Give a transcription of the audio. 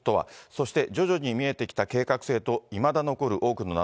そして徐々に見えてきた計画性と、いまだ残る多くの謎。